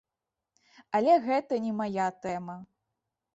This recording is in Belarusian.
Але гэта не мая тэма.